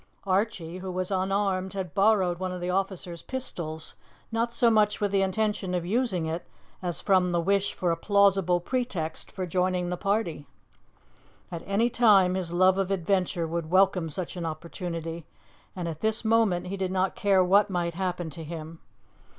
Archie, who was unarmed, had borrowed one of the officer's pistols, not so much with the intention of using it as from the wish for a plausible pretext for joining the party. At any time his love of adventure would welcome such an opportunity, and at this moment he did not care what might happen to him.